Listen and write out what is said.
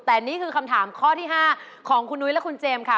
แต่นี่คือคำถามข้อที่๕ของคุณนุ้ยและคุณเจมส์ค่ะ